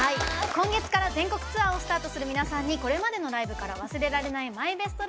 今月から全国ツアーをスタートする皆さんにこれまでのライブから忘れられないマイベスト